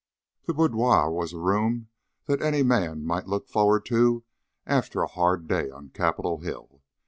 The boudoir was a room that any man might look forward to after a hard day on Capitol Hill.